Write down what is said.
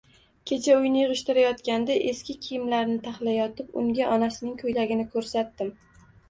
Kecha uyni yig'ishtirayotganda eski kiyimlarni taxlayotib unga onasining ko'ylagini ko'rsatgandim.